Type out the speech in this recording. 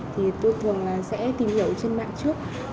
thì tôi thường là sẽ tìm hiểu trên mạng trước